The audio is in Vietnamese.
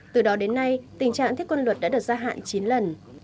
từ đó đến nay tình trạng thiết quân luật đã được gia hạn chín lần